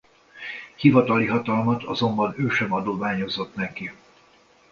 Hivatali hatalmat azonban ő sem adományozott neki.